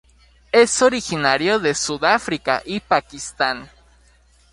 Es originario de Sudáfrica y Pakistán.